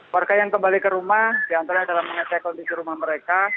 warga yang kembali ke rumah di antara mereka mengecek kondisi rumah mereka